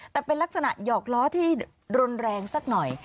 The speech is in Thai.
แต่เป็นลักษณะหยอกล้อที่รุนแรงสักหน่อย